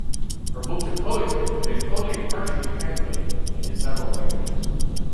Her books of poetry have been totally or partially translated into several languages.